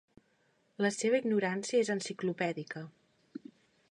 «la seva ignorància és enciclopèdica».